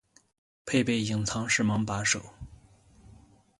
配备隐藏式门把手